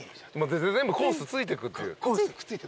全部コースついてくっていう。